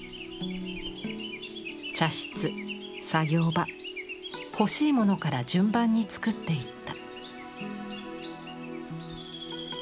茶室作業場欲しいものから順番につくっていった。